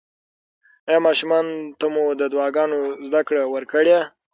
ایا ماشومانو ته مو د دعاګانو زده کړه ورکړې؟